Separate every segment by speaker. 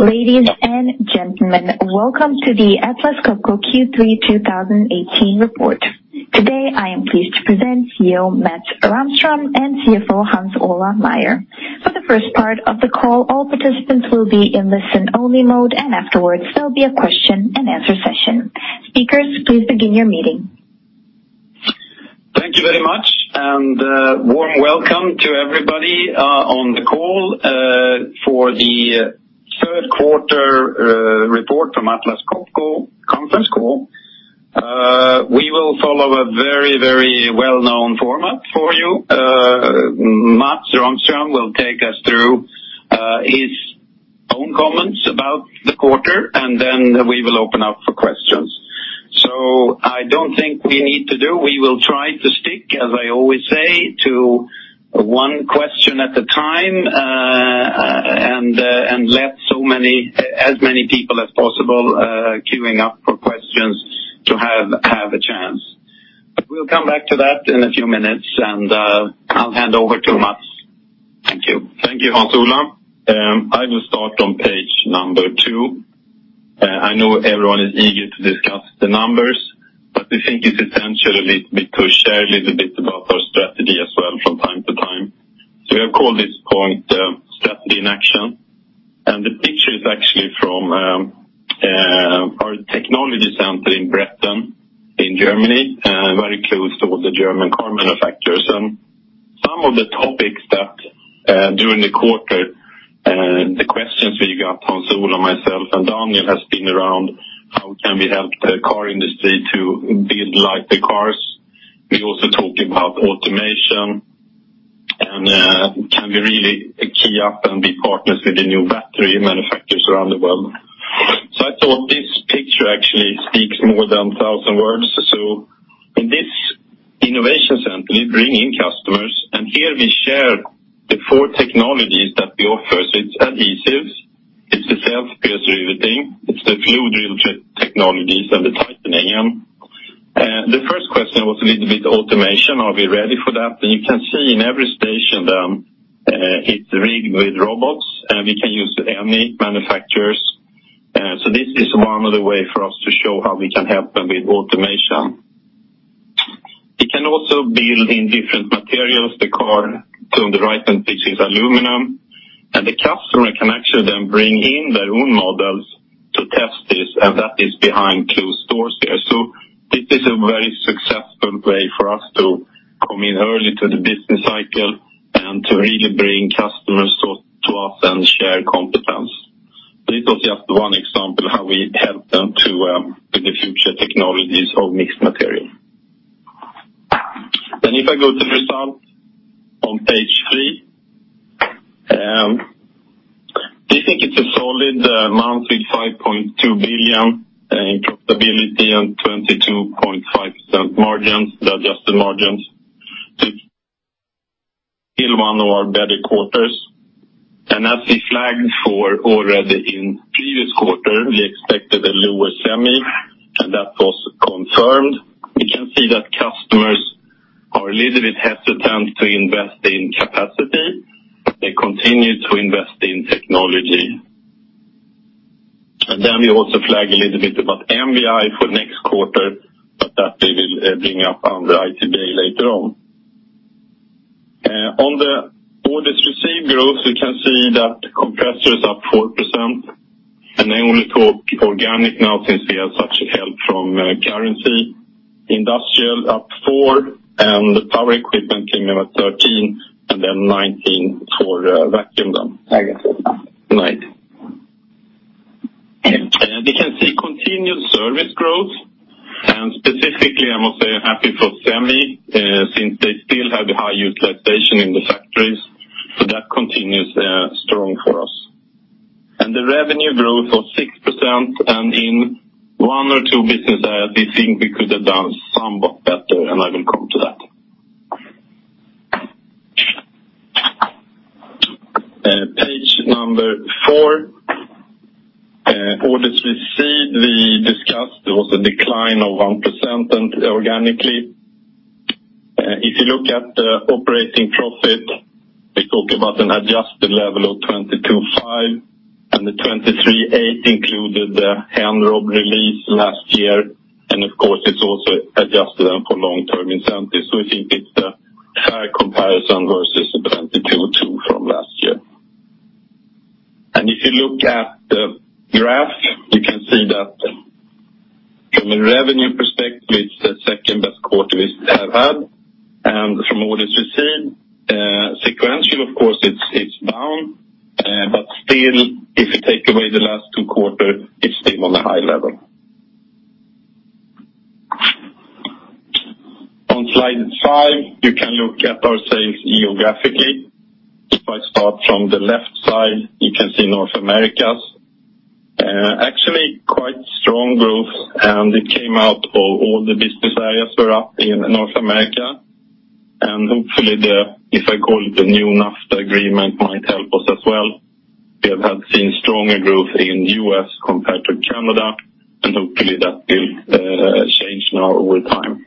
Speaker 1: Ladies and gentlemen, welcome to the Atlas Copco Q3 2018 report. Today, I am pleased to present CEO Mats Rahmström and CFO Hans Ola Meyer. For the first part of the call, all participants will be in listen only mode, and afterwards there will be a question and answer session. Speakers, please begin your meeting.
Speaker 2: Thank you very much, a warm welcome to everybody on the call for the third quarter report from Atlas Copco conference call. We will follow a very well-known format for you. Mats Rahmström will take us through his own comments about the quarter, then we will open up for questions. I don't think we need to do. We will try to stick, as I always say, to one question at a time, and let as many people as possible queuing up for questions to have a chance. We'll come back to that in a few minutes, and I'll hand over to Mats. Thank you.
Speaker 3: Thank you, Hans Ola. I will start on page number two. I know everyone is eager to discuss the numbers, we think it's essential to share a little bit about our strategy as well from time to time. We have called this point, strategy in action, the picture is actually from our technology center in Bretten in Germany, very close to the German car manufacturers. Some of the topics that, during the quarter, the questions we got, Hans Ola, myself, and Daniel, has been around how can we help the car industry to build lighter cars. We also talked about automation, and can we really key up and be partners with the new battery manufacturers around the world. I thought this picture actually speaks more than a thousand words. In this innovation center, we bring in customers, and here we share the four technologies that we offer. It's adhesives, it's the self-pierce riveting, it's the flow drill technologies, and the titanium. The first question was a little bit automation. Are we ready for that? You can see in every station, it's rigged with robots, and we can use any manufacturers. This is one of the ways for us to show how we can help them with automation. It can also build in different materials. The car to on the right this is aluminum, and the customer can actually then bring in their own models to test this, and that is behind closed doors here. This is a very successful way for us to come in early to the business cycle and to really bring customers to us and share competence. This was just one example of how we help them with the future technologies of mixed material. If I go to results on page three, we think it is a solid month with 5.2 billion in profitability and 22.5% margins, the adjusted margins, to still one of our better quarters. As we flagged for already in previous quarter, we expected a lower semi, and that was confirmed. We can see that customers are a little bit hesitant to invest in capacity. They continue to invest in technology. We also flag a little bit about MVI for next quarter, but that they will bring up under IT day later on. On the orders received growth, we can see that the compressor is up 4%, and I only talk organic now since we have such help from currency. Industrial up four, the power equipment came in at 13, 19 for vacuum then.
Speaker 2: I guess.
Speaker 3: Right. We can see continued service growth, specifically, I must say I am happy for Semi, since they still have high utilization in the factories. That continues strong for us. The revenue growth of 6%, in one or two business areas, we think we could have done somewhat better, I will come to that. Page number four, orders received, we discussed there was a decline of 1% organically. If you look at the operating profit, we talk about an adjusted level of 22.5%, and the 23.8% included the Henrob release last year. Of course, it's also adjusted then for long-term incentives. We think it's a higher comparison versus 22.2% from last year. If you look at the graph, you can see that from a revenue perspective, it's the second-best quarter we have had. From orders received, sequential, of course, it is down, but still, if you take away the last two quarters, it is still on a high level. On slide five, you can look at our sales geographically. I start from the left side, you can see North Americas. Actually, quite strong growth, it came out of all the business areas were up in North America. Hopefully, if I call it the new NAFTA agreement, might help us as well. We have seen stronger growth in U.S. compared to Canada, hopefully that will change now over time.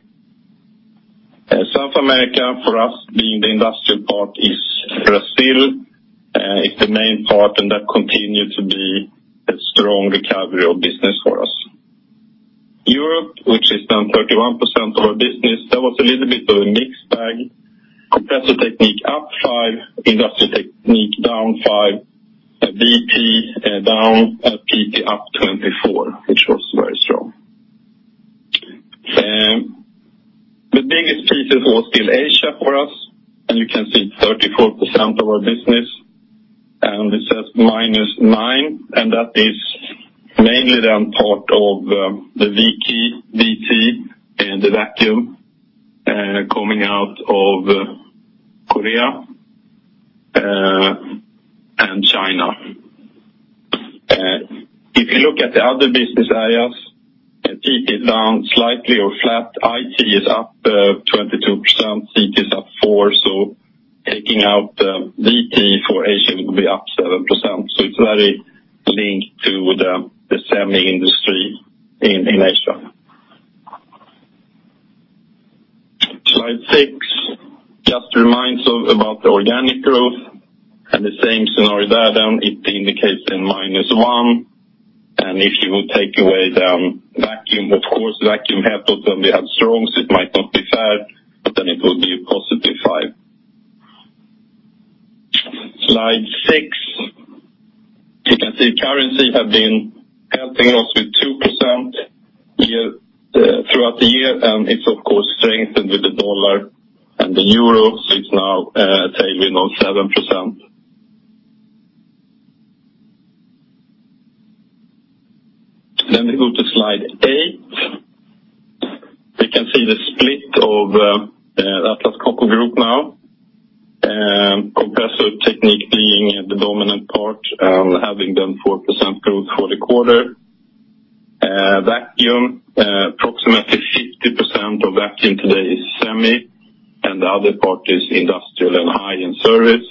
Speaker 3: For us, being the industrial part is Brazil, is the main part, that continues to be a strong recovery of business for us. Europe, which is down 31% of our business, that was a little bit of a mixed bag. Compressor Technique up 5%, Industrial Technique down 5%, VT down, PT up 24%, which was very strong. The biggest pieces was still Asia for us, you can see 34% of our business, this is -9%, that is mainly then part of the VT and the Vacuum Technique, coming out of Korea, China. You look at the other business areas, PT down slightly or flat. IT is up 22%, CT is up 4%, taking out the VT for Asia, it would be up 7%. It is very linked to the semi industry in Asia. Slide six, just a reminder about the organic growth, the same scenario there, down, it indicates in -1%. If you take away the Vacuum Technique, of course, Vacuum Technique had both, we had strong, it might not be fair, but then it will be a positive 5%. Slide six, you can see currency have been helping us with 2% throughout the year, it is of course strengthened with the dollar and the euro, it is now taking us 7%. We go to slide eight. We can see the split of the Atlas Copco Group now. Compressor Technique being the dominant part, having done 4% growth for the quarter. Vacuum Technique, approximately 50% of Vacuum Technique today is semi, the other part is industrial and high in service.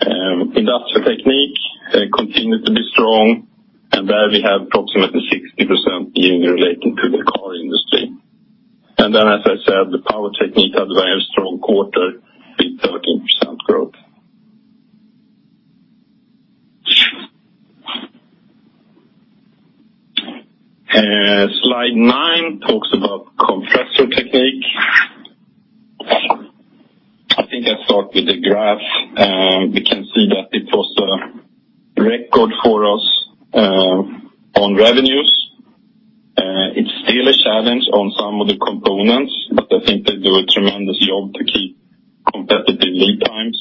Speaker 3: Industrial Technique continued to be strong, there we have approximately 60% being related to the car industry. As I said, the Power Technique had a very strong quarter with 13% growth. Slide nine talks about Compressor Technique. I start with the graph. We can see that it was a record for us, on revenues. It is still a challenge on some of the components, they do a tremendous job to keep competitive lead times.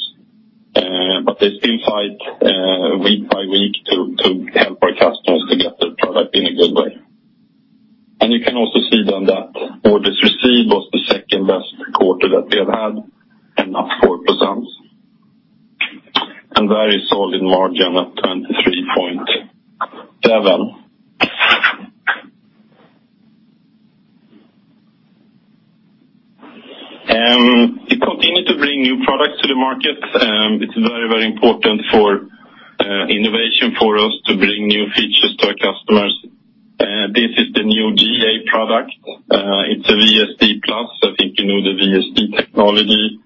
Speaker 3: They still fight week by week to help our customers to get their product in a good way. You can also see then that orders received was the second best quarter that we have had up 4%. Very solid margin at 23.7%. We continue to bring new products to the market. It is very, very important for innovation for us to bring new features to our customers. This is the new GA product. It is a VSD+, you know the VSD technology.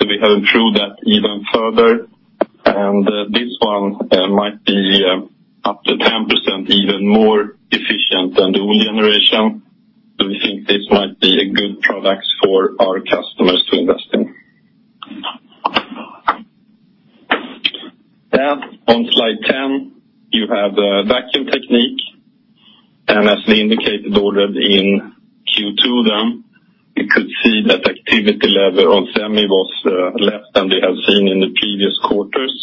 Speaker 3: We have improved that even further, this one might be up to 10% even more efficient than the old generation. We think this might be a good product for our customers to invest in. On slide 10, you have the Vacuum Technique, as we indicated orders in Q2, you could see that activity level on semi was less than we have seen in the previous quarters.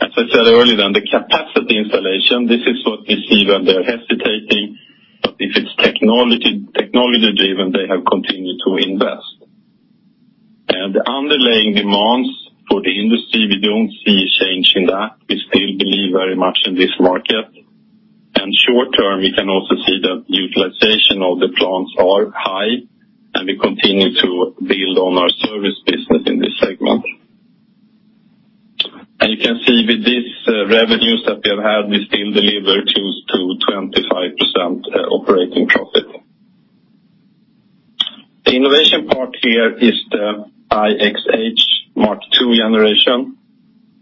Speaker 3: As I said earlier, the capacity installation, this is what we see when they're hesitating, but if it's technology-driven, they have continued to invest. Underlying demands for the industry, we don't see a change in that. We still believe very much in this market. Short term, we can also see that utilization of the plants are high, and we continue to build on our service business in this segment. You can see with these revenues that we have had, we still deliver close to 25% operating profit. The innovation part here is the iXH Mk2 generation,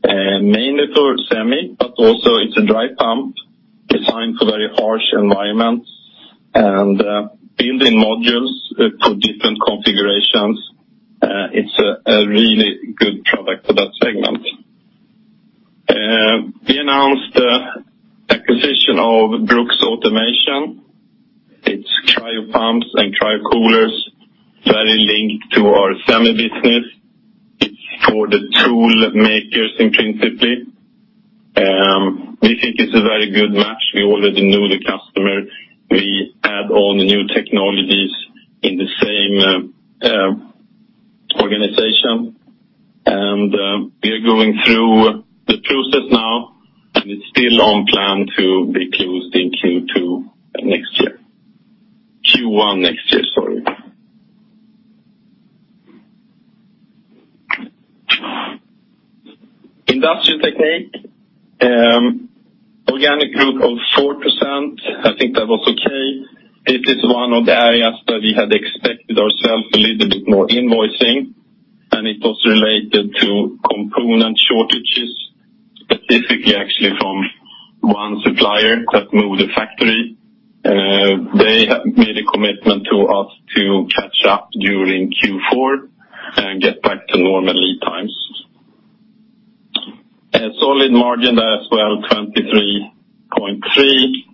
Speaker 3: mainly for semi, but also it's a dry pump designed for very harsh environments and building modules for different configurations. It's a really good product for that segment. We announced the acquisition of Brooks Automation. It's cryo pumps and cryo coolers, very linked to our semi business. It's for the tool makers, principally. We think it's a very good match. We already know the customer. We add all the new technologies in the same organization. We are going through the process now, and it's still on plan to be closed in Q2 next year. Q1 next year, sorry. Industrial Technique, organic growth of 4%. I think that was okay. It is one of the areas that we had expected ourselves a little bit more invoicing, it was related to component shortages, specifically actually from one supplier that moved the factory. They have made a commitment to us to catch up during Q4 and get back to normal lead times. A solid margin there as well, 23.3%.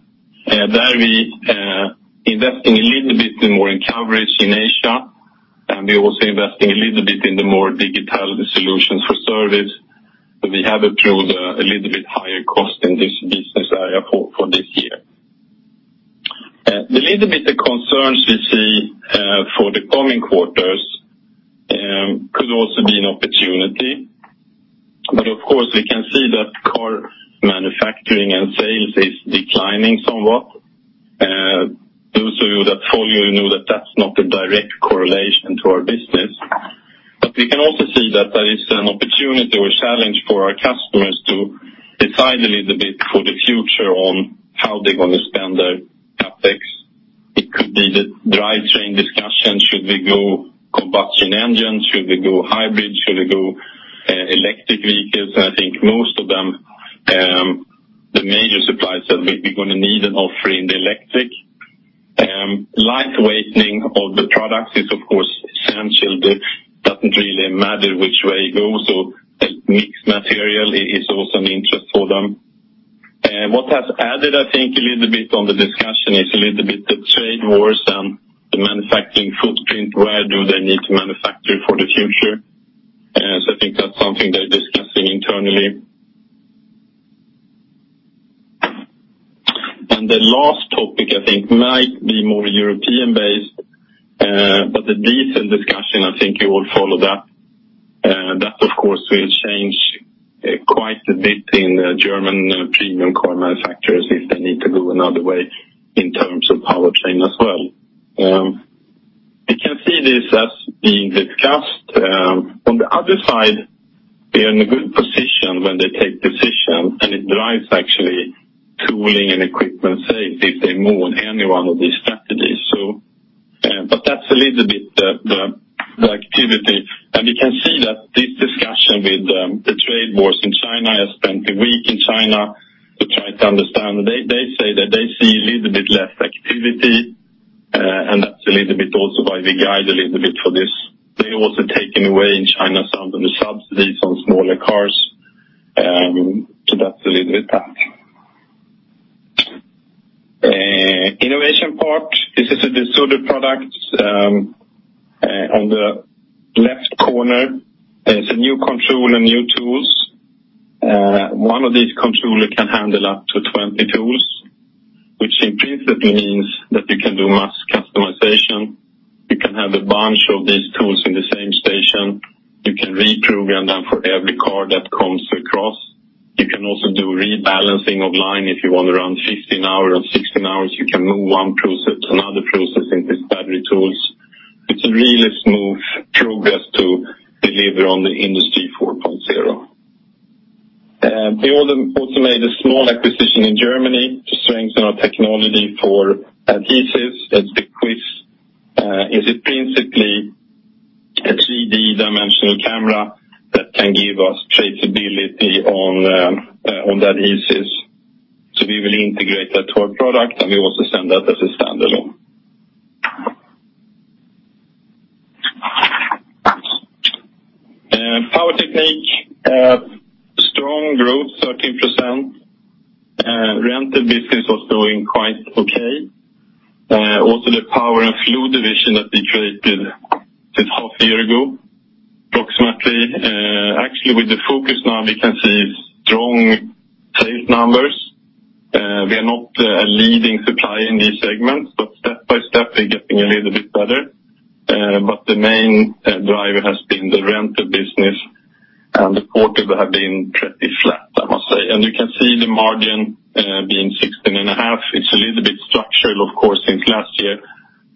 Speaker 3: There we are investing a little bit in more coverage in Asia, and we're also investing a little bit in the more digital solutions for service. We have improved a little bit higher cost in this business area for this year. A little bit the concerns we see for the coming quarters could also be an opportunity. Of course, we can see that car manufacturing and sales is declining somewhat. Those of you that follow know that that's not a direct correlation to our business. We can also see that there is an opportunity or challenge for our customers to decide a little bit for the future on how they're going to spend their CapEx. It could be the drivetrain discussion. Should we go combustion engine? Should we go hybrid? Should we go electric vehicles? I think most of them, the major suppliers said we're going to need an offering in the electric. Light-weighting of the products is, of course, essential. It doesn't really matter which way you go, so a mixed material is also an interest for them. What has added, I think, a little bit on the discussion is a little bit the trade wars and the manufacturing footprint, where do they need to manufacture for the future? I think that's something they're discussing internally. The last topic, I think, might be more European-based, but the diesel discussion, I think you all follow that. That, of course, will change quite a bit in German premium car manufacturers if they need to go another way in terms of powertrain as well. We can see this as being discussed. On the other side, they're in a good position when they take decision, and it drives actually tooling and equipment sales if they move on any one of these strategies. That's a little bit the activity. We can see that this discussion with the trade wars in China, I spent a week in China to try to understand. They say that they see a little bit less activity, and that's a little bit also why we guide a little bit for this. They're also taking away in China some of the subsidies on smaller cars. That's a little attack. Innovation part. This is a Desoutter product. On the left corner is a new controller, new tools. One of these controller can handle up to 20 tools, which in principle means that you can do mass customization. You can have a bunch of these tools in the same station. You can reprogram them for every car that comes across. You can also do rebalancing of line if you want to run 15 hours or 16 hours. You can move one process, another process in these battery tools. It's a really smooth progress to deliver on the Industry 4.0. We also made a small acquisition in Germany to strengthen our technology for adhesives. That's the QUISS. It is principally a 3D dimensional camera that can give us traceability on adhesives. We will integrate that to our product, and we also sell that as a standalone. Power Technique, strong growth, 13%. Rental business was doing quite okay. The power and fluid division that we created this half year ago, approximately. Actually, with the focus now, we can see strong sales numbers. We are not a leading supplier in these segments, but step by step, we're getting a little bit better. The main driver has been the rental business, and the quarters have been pretty flat, I must say. You can see the margin being 16.5%. It's a little bit structural, of course, since last year,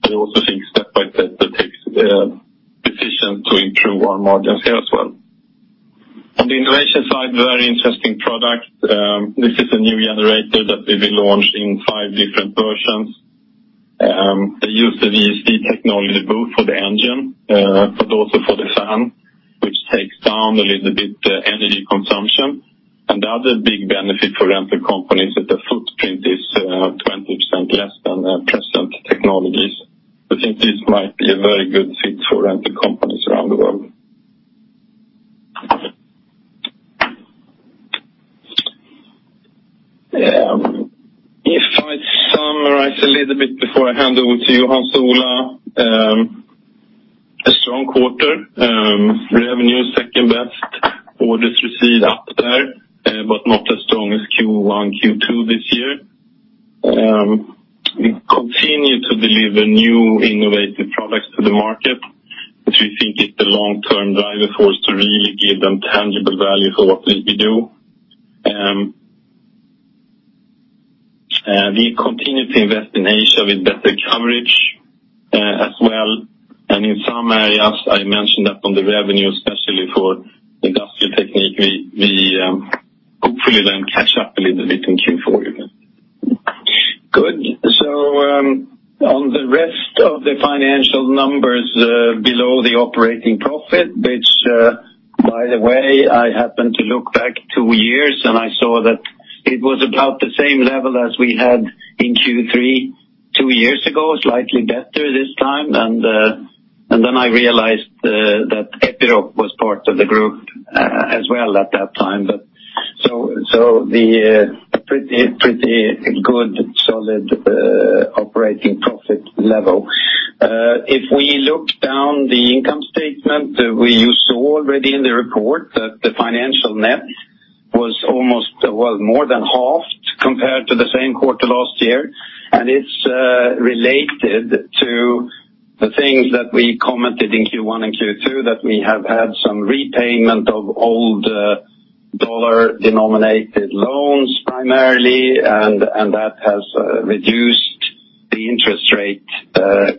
Speaker 3: but I also think step by step it takes efficient to improve our margins here as well. On the innovation side, very interesting product. This is a new generator that we will launch in five different versions. They use the VSD technology both for the engine, but also for the fan, which takes down a little bit the energy consumption. The other big benefit for rental companies is the footprint is 20% less than present technologies. I think this might be a very good fit for rental companies around the world. If I summarize a little bit before I hand over to you, Hans Ola. A strong quarter. Revenue, second best. Orders received up there, but not as strong as Q1, Q2 this year. We continue to deliver new innovative products to the market, which we think is the long-term driver for us to really give them tangible value for what we do.
Speaker 2: We continue to invest in Asia with better coverage as well. In some areas, I mentioned that on the revenue, especially for Industrial Technique, we hopefully then catch up a little bit in Q4. Good. On the rest of the financial numbers below the operating profit, which, by the way, I happened to look back two years and I saw that it was about the same level as we had in Q3 two years ago, slightly better this time. Then I realized that Epiroc was part of the group as well at that time. A pretty good, solid operating profit level. If we look down the income statement, we used to already in the report that the financial net was more than halved compared to the same quarter last year. It's related to the things that we commented in Q1 and Q2, that we have had some repayment of old dollar-denominated loans primarily, that has reduced the interest rate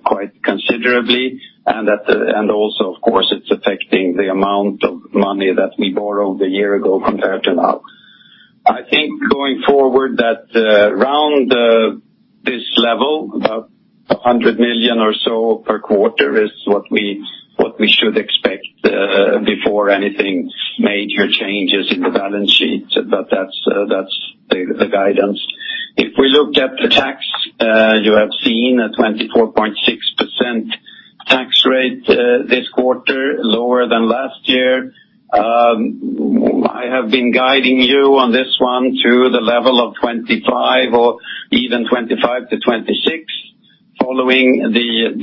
Speaker 2: quite considerably. Also, of course, it's affecting the amount of money that we borrowed a year ago compared to now. I think going forward that around this level, about 100 million or so per quarter is what we should expect before anything major changes in the balance sheet. That's the guidance. If we look at the tax, you have seen a 24.6% tax rate this quarter, lower than last year. I have been guiding you on this one to the level of 25 or even 25-26, following the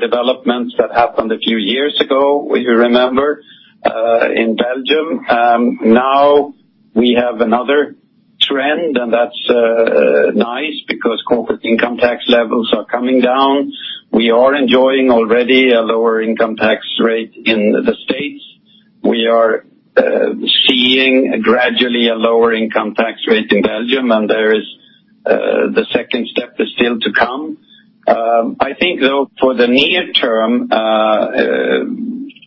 Speaker 2: developments that happened a few years ago, you remember, in Belgium. We have another trend, that's nice because corporate income tax levels are coming down. We are enjoying already a lower income tax rate in the U.S. We are seeing gradually a lower income tax rate in Belgium, the second step is still to come. I think, though, for the near-term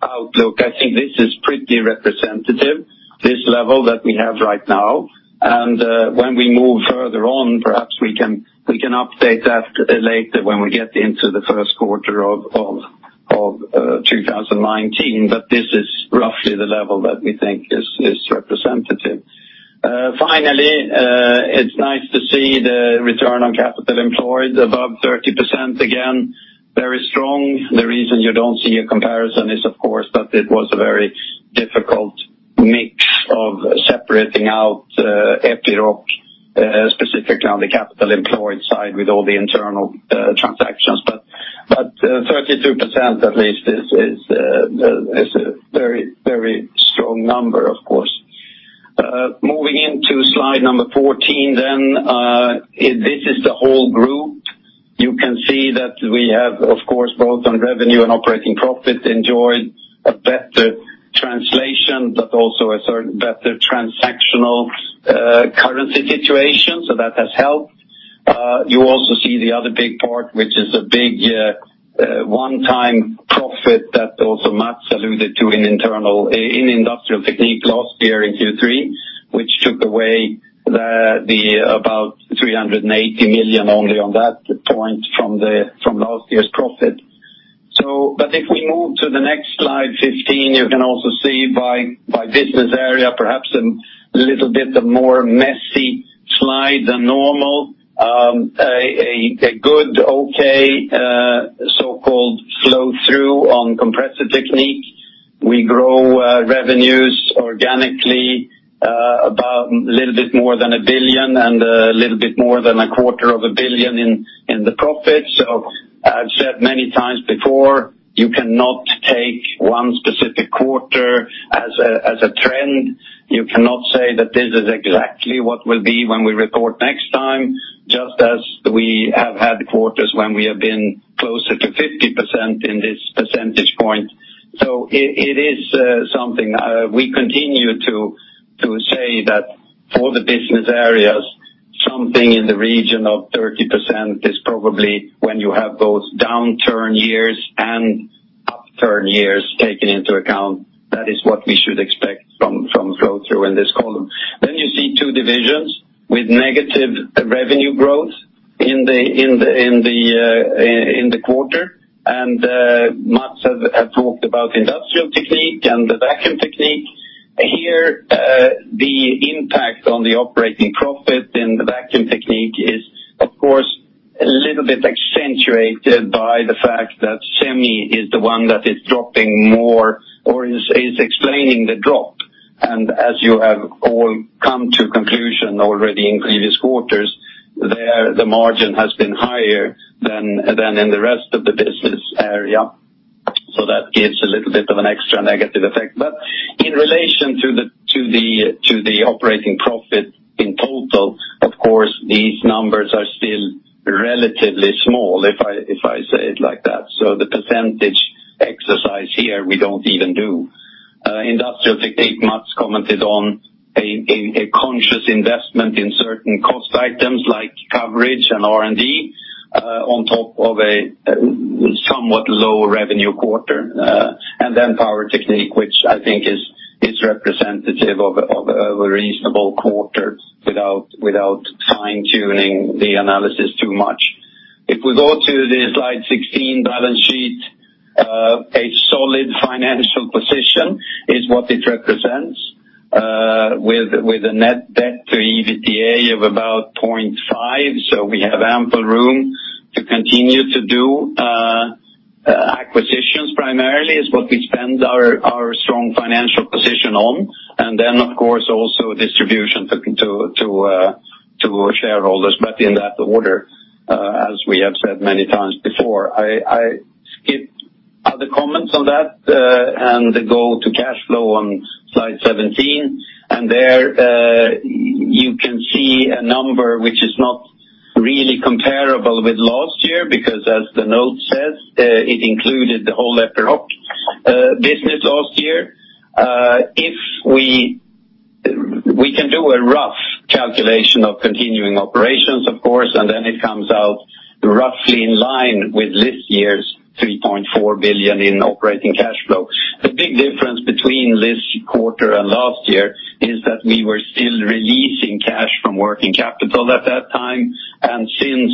Speaker 2: outlook, I think this is pretty representative, this level that we have right now. When we move further on, perhaps we can update that later when we get into the first quarter of 2019, but this is roughly the level that we think is representative. Finally, it's nice to see the return on capital employed above 30% again. Very strong. The reason you don't see a comparison is, of course, that it was a very difficult mix of separating out Epiroc, specifically on the capital employed side with all the internal transactions. 32% at least is a very strong number, of course. Moving into slide number 14 then. This is the whole group. You can see that we have, of course, both on revenue and operating profit, enjoyed a better translation, also a better transactional currency situation, that has helped. You also see the other big part, which is a big one-time profit that also Mats alluded to in Industrial Technique last year in Q3, which took away about 380 million only on that point from last year's profit. If we move to the next slide 15, you can also see by business area, perhaps a little bit of more messy slide than normal. A good, okay, so-called flow-through on Compressor Technique. We grow revenues organically about a little bit more than 1 billion and a little bit more than a quarter of a billion in the profit. I've said many times before, you cannot take one specific quarter as a trend. You cannot say that this is exactly what will be when we report next time, just as we have had quarters when we have been closer to 50% in this percentage point. It is something. We continue to say that for the business areas, something in the region of 30% is probably when you have both downturn years and upturn years taken into account, that is what we should expect from flow-through in this column. You see two divisions with negative revenue growth in the quarter, and Mats has talked about Industrial Technique and the Vacuum Technique. Here, the impact on the operating profit in the Vacuum Technique is, of course, a little bit accentuated by the fact that Semi is the one that is dropping more or is explaining the drop. As you have all come to conclusion already in previous quarters, there, the margin has been higher than in the rest of the business area. That gives a little bit of an extra negative effect. In relation to the operating profit in total, of course, these numbers are still relatively small, if I say it like that. The percentage Here we don't even do. Industrial, I think Mats commented on a conscious investment in certain cost items like coverage and R&D, on top of a somewhat low revenue quarter, and Power Technique, which I think is representative of a reasonable quarter without fine-tuning the analysis too much. If we go to the slide 16, balance sheet, a solid financial position is what it represents, with a net debt to EBITDA of about 0.5. We have ample room to continue to do acquisitions, primarily, is what we spend our strong financial position on. Then, of course, also distribution to shareholders, in that order, as we have said many times before. I skip other comments on that and go to cash flow on slide 17. There, you can see a number which is not really comparable with last year, because as the note says, it included the whole Epiroc business last year. We can do a rough calculation of continuing operations, of course, and then it comes out roughly in line with this year's 3.4 billion in operating cash flow. The big difference between this quarter and last year is that we were still releasing cash from working capital at that time. Since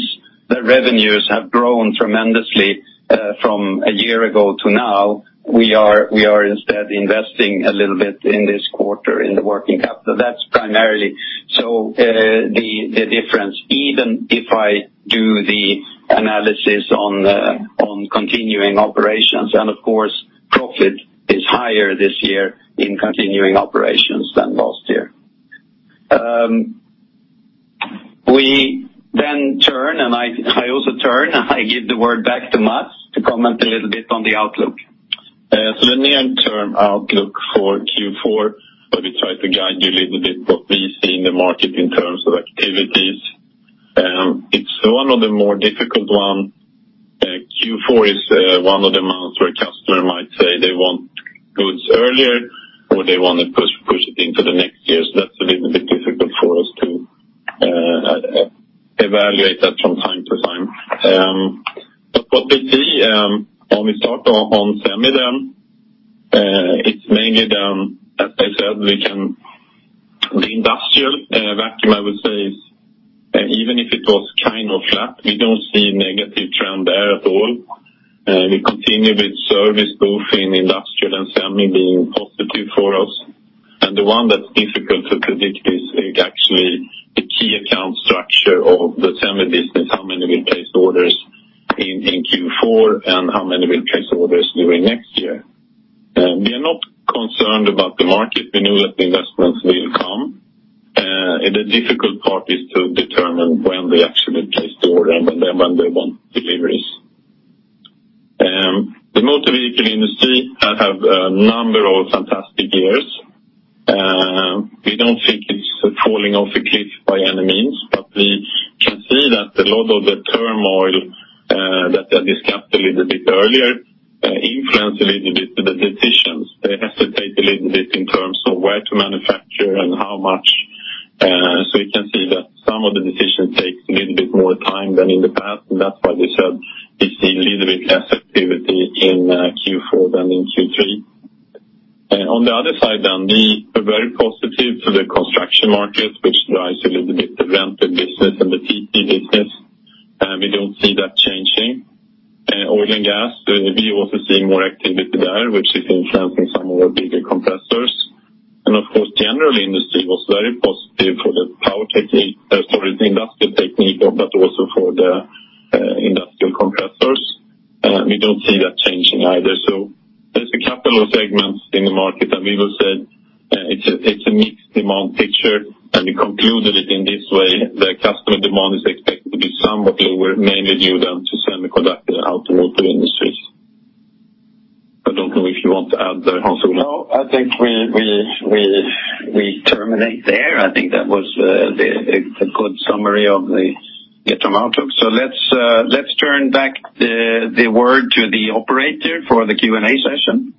Speaker 2: the revenues have grown tremendously from a year ago to now, we are instead investing a little bit in this quarter in the working capital. That's primarily the difference, even if I do the analysis on continuing operations. Of course, profit is higher this year in continuing operations than last year. We then turn, and I also turn, I give the word back to Mats to comment a little bit on the outlook.
Speaker 3: Let me turn outlook for Q4, where we try to guide you a little bit what we see in the market in terms of activities. It's one of the more difficult one. Q4 is one of the months where a customer might say they want goods earlier, or they want to push it into the next year. That's a little bit difficult for us to evaluate that from time to time. What we see, when we start on semi, it's mainly down, as I said, the industrial vacuum, I would say, even if it was kind of flat, we don't see a negative trend there at all. We continue with service both in industrial and semi being positive for us. The one that's difficult to predict is actually the key account structure of the semi business, how many will place orders in Q4 and how many will place orders during next year. We are not concerned about the market. We know that the investments will come. The difficult part is to determine when they actually place the order and when they want deliveries. The motor vehicle industry have a number of fantastic years. We don't think it's falling off a cliff by any means, but we can see that a lot of the turmoil that I discussed a little bit earlier influence a little bit to the decisions. They hesitate a little bit in terms of where to manufacture and how much. We can see that some of the decisions take a little bit more time than in the past, and that's why we said we see a little bit less activity in Q4 than in Q3. On the other side, we are very positive to the construction market, which drives a little bit the rental business and the PT business. We don't see that changing. Oil and gas, we are also seeing more activity there, which is influencing some of our bigger compressors. Of course, general industry was very positive for the Industrial Technique, but also for the industrial compressors. We don't see that changing either. There's a couple of segments in the market, we will say it's a mixed demand picture, and we concluded it in this way, the customer demand is expected to be somewhat lower, mainly due to semiconductor and automotive industries. I don't know if you want to add there also.
Speaker 2: No, I think we terminate there. I think that was a good summary of the outlook. Let's turn back the word to the operator for the Q&A session.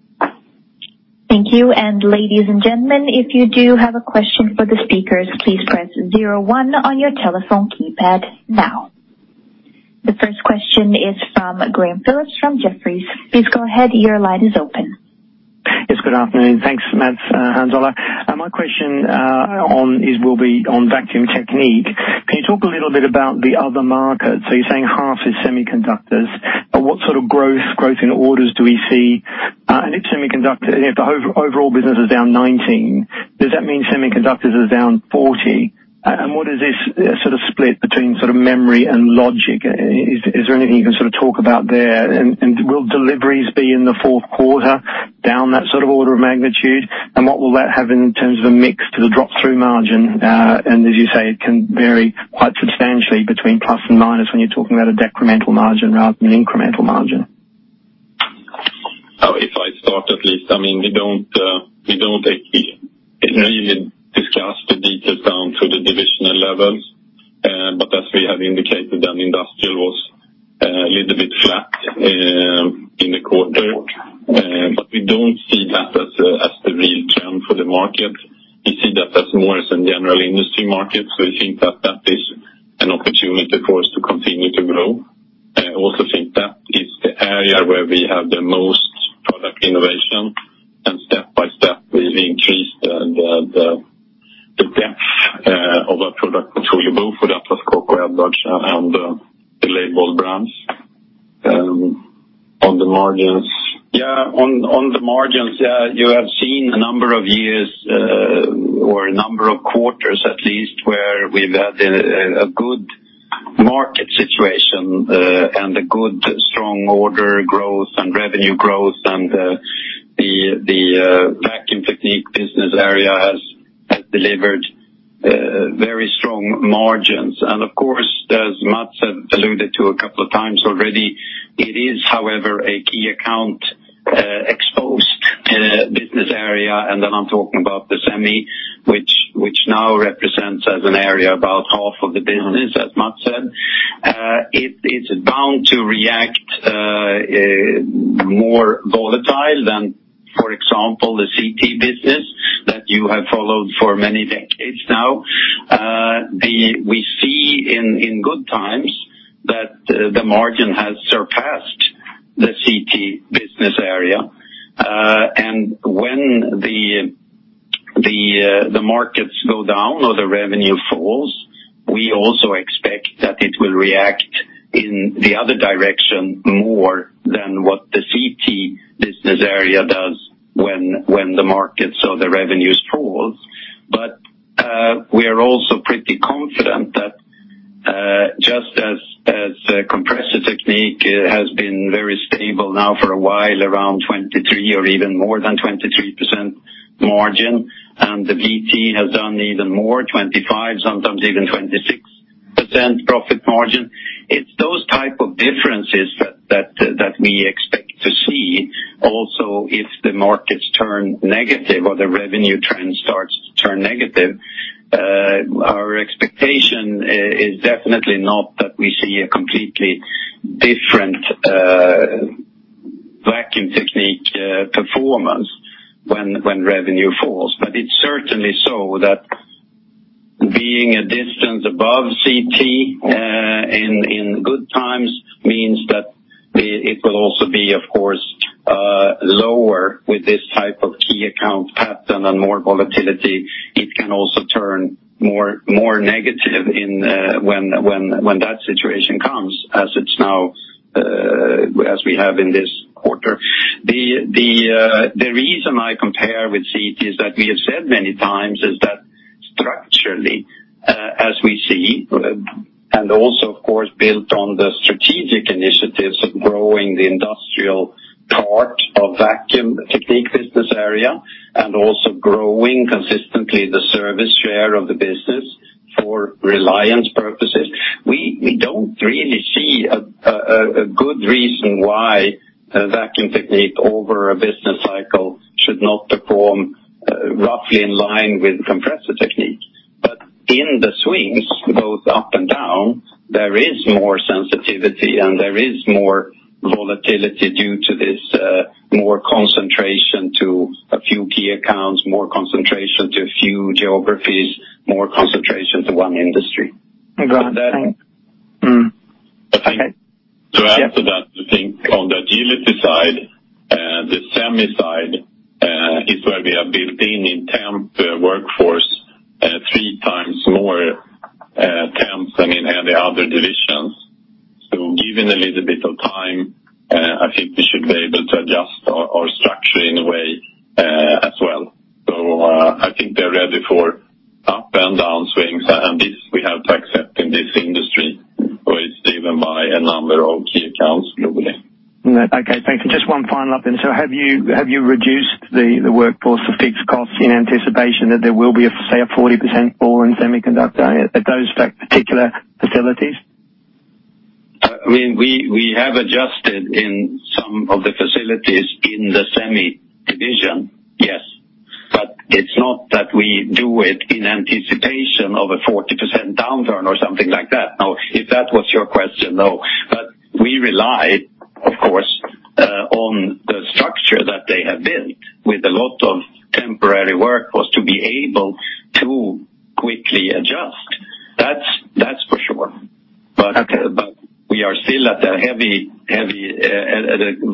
Speaker 1: Thank you, ladies and gentlemen, if you do have a question for the speakers, please press 01 on your telephone keypad now. The first question is from Graham Phillips from Jefferies. Please go ahead, your line is open.
Speaker 4: Yes, good afternoon. Thanks, Mats, Hans Ola. My question will be on Vacuum Technique. Can you talk a little bit about the other markets? You're saying half is semiconductors. What sort of growth in orders do we see? If the overall business is down 19, does that mean semiconductors is down 40? What is this split between memory and logic? Is there anything you can talk about there? Will deliveries be in the fourth quarter down that sort of order of magnitude? What will that have in terms of a mix to the drop-through margin? As you say, it can vary quite substantially between plus and minus when you're talking about a decremental margin rather than an incremental margin.
Speaker 3: If I start at least, we don't take it really indicated that industrial was a little bit flat in the quarter. We don't see that as the real trend for the market. We see that as more as in general industry markets. We think that is an opportunity for us to continue to grow. I also think that is the area where we have the most product innovation, and step by step, we increase the depth of our product portfolio for the Atlas Copco Edwards and the Leybold brands. On the margins.
Speaker 2: Yeah. On the margins, you have seen a number of years or a number of quarters at least, where we've had a good market situation and a good strong order growth and revenue growth. The Vacuum Technique business area has delivered very strong margins. Of course, as Mats has alluded to a couple of times already, it is, however, a key account exposed business area, then I'm talking about the semi, which now represents as an area about half of the business, as Mats said. It's bound to react more volatile than, for example, the CT business that you have followed for many decades now. We see in good times that the margin has surpassed the CT business area. When the markets go down or the revenue falls, we also expect that it will react in the other direction more than what the CT business area does when the markets or the revenues fall. We are also pretty confident that just as Compressor Technique has been very stable now for a while, around 23% or even more than 23% margin, and the BT has done even more, 25, sometimes even 26% profit margin. It's those type of differences that we expect to see also if the markets turn negative or the revenue trend starts to turn negative. Our expectation is definitely not that we see a completely different Vacuum Technique performance when revenue falls. It's certainly so that being a distance above CT in good times means that it will also be, of course, lower with this type of key account pattern and more volatility. It can also turn more negative when that situation comes, as we have in this quarter. The reason I compare with CT is that we have said many times is that structurally, as we see, and also of course built on the strategic initiatives of growing the industrial part of Vacuum Technique business area and also growing consistently the service share of the business for reliance purposes. We don't really see a good reason why Vacuum Technique over a business cycle should not perform roughly in line with Compressor Technique. In the swings, both up and down, there is more sensitivity, and there is more volatility due to this more concentration to a few key accounts, more concentration to a few geographies, more concentration to one industry.
Speaker 3: Go ahead.
Speaker 2: Thanks.
Speaker 3: To add to that, I think on the agility side, the semi side is where we have built in temp workforce three times more temps than in any other divisions. Given a little bit of time, I think we should be able to adjust our structure in a way as well. I think they're ready for up and down swings, and this we have to accept in this industry, for it's driven by a number of key accounts globally.
Speaker 4: Okay, thank you. Just one final up then. Have you reduced the workforce, the fixed costs, in anticipation that there will be, say, a 40% fall in semiconductor at those particular facilities?
Speaker 2: We have adjusted in some of the facilities in the semi division, yes. It's not that we do it in anticipation of a 40% downturn or something like that. Now, if that was your question, no. We rely, of course, on the structure that they have built with a lot of temporary workforce to be able to quickly adjust. That's for sure.
Speaker 4: Okay.
Speaker 2: We are still at a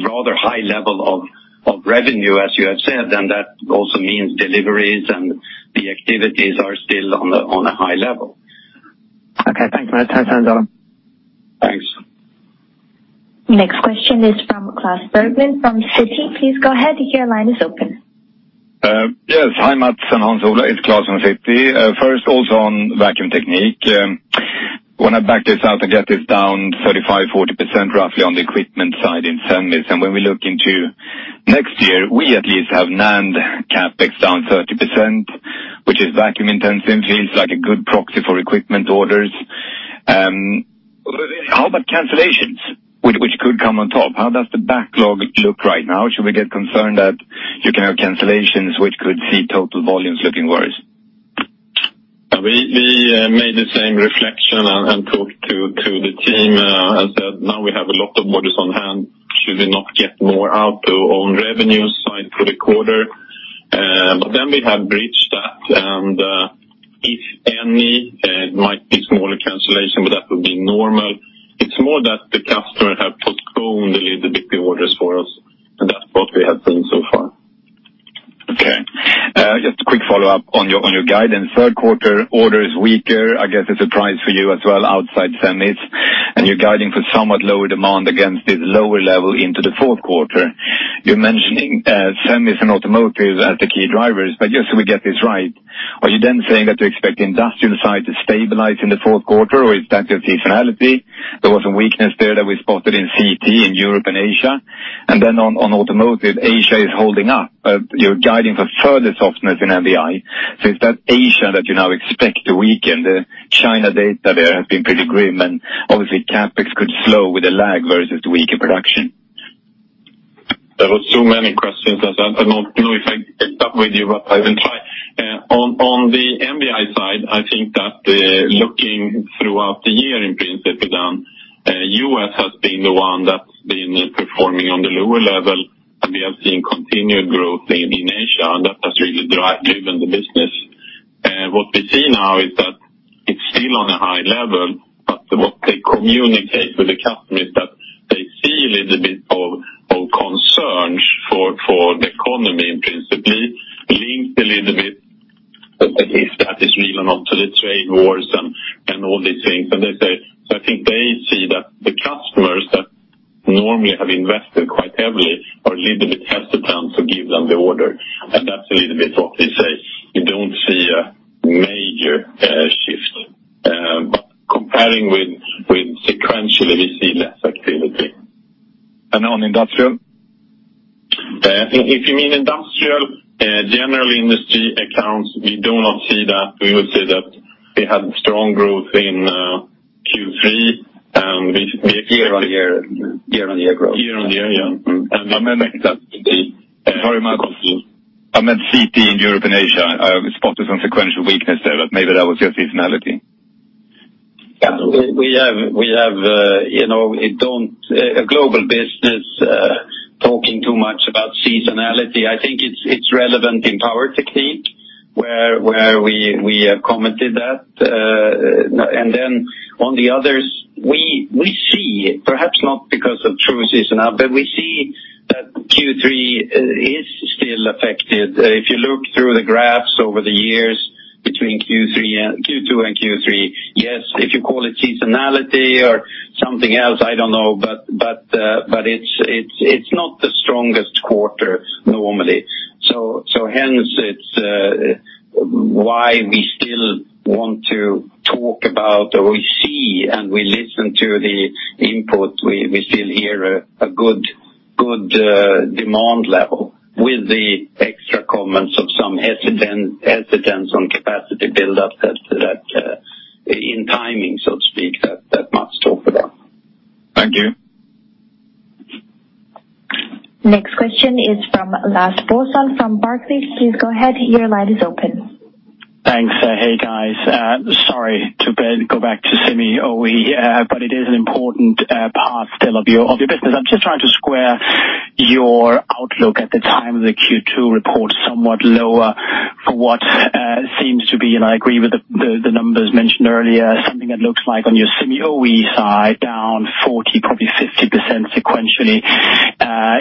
Speaker 2: rather high level of revenue, as you have said, and that also means deliveries and the activities are still on a high level.
Speaker 4: Okay, thanks, Mats. Thanks, Hans Ola.
Speaker 2: Thanks.
Speaker 1: Next question is from Klas Bergelind from Citi. Please go ahead, your line is open.
Speaker 5: Yes. Hi, Mats and Hans Ola. It's Klas from Citi. First, also on Vacuum Technique. When I back this out, I get this down 35%-40% roughly on the equipment side in semis. When we look into next year, we at least have NAND CapEx down 30%, which is vacuum intensity. It's like a good proxy for equipment orders. How about cancellations? Could come on top. How does the backlog look right now? Should we get concerned that you can have cancellations which could see total volumes looking worse?
Speaker 3: We made the same reflection and talked to the team and said, now we have a lot of orders on hand. Should we not get more out on revenue side for the quarter? We have bridged that and if any, it might be smaller cancellation, but that would be normal. It's more that the customer have postponed a little bit the orders for us, and that's what we have seen so far.
Speaker 5: Okay. Just a quick follow-up on your guidance. Third quarter order is weaker. I guess it's a surprise for you as well, outside semis. You're guiding for somewhat lower demand against this lower level into the fourth quarter. You're mentioning semis and automotive as the key drivers. Just so we get this right, are you then saying that you expect the industrial side to stabilize in the fourth quarter, or is that your seasonality? There was a weakness there that we spotted in CT in Europe and Asia. On automotive, Asia is holding up. You're guiding for further softness in MVI. Is that Asia that you now expect to weaken? The China data there have been pretty grim, and obviously CapEx could slow with a lag versus weaker production.
Speaker 3: There were so many questions that I don't know if I kept up with you, I will try. On the MVI side, I think that looking throughout the year in principle, U.S. has been the one that's been performing on the lower level, we have seen continued growth in Asia, that has really driven the business. What we see now is that it's still on a high level, what they communicate with the customer is that they see a little bit of concerns for the economy in principle, linked a little bit, if that is relevant, to the trade wars and all these things. They say, I think they see that the customers that normally have invested quite heavily are a little bit hesitant to give them the order, that's a little bit what they say. You don't see a major shift. Comparing with sequentially, we see less activity.
Speaker 5: On industrial?
Speaker 3: If you mean industrial, general industry accounts, we do not see that. We would say that we had strong growth in Q3, and we expect-
Speaker 5: Year-on-year growth.
Speaker 3: Year-on-year, yeah.
Speaker 5: I meant CT in Europe and Asia. I spotted some sequential weakness there, but maybe that was your seasonality.
Speaker 2: Yeah. A global business, talking too much about seasonality, I think it's relevant in Power Technique, where we have commented that. On the others, we see, perhaps not because of true seasonal, but we see that Q3 is still affected. If you look through the graphs over the years between Q2 and Q3, yes, if you call it seasonality or something else, I don't know, but it's not the strongest quarter normally. Hence it's why we still want to talk about, or we see and we listen to the input. We still hear a good demand level with the extra comments of some hesitance on capacity buildup that in timing, so to speak, that must talk about.
Speaker 5: Thank you.
Speaker 1: Next question is from Lars Brorson from Barclays. Please go ahead, your line is open.
Speaker 6: Thanks. Hey, guys. Sorry to go back to semi OE, but it is an important part still of your business. I'm just trying to square your outlook at the time of the Q2 report, somewhat lower for what seems to be, and I agree with the numbers mentioned earlier, something that looks like on your semi OE side, down 40%, probably 50% sequentially,